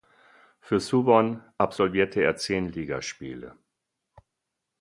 Für Suwon absolvierte er zehn Ligaspiele.